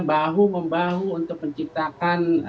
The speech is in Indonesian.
bahu membahu untuk menciptakan